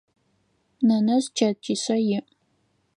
Нэнэжъ чэтишъэ иӏ.